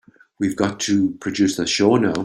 We've got to produce a show now.